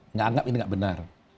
nggak anggap ini nggak benar